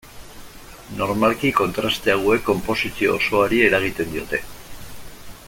Normalki kontraste hauek konposizio osoari eragiten diote.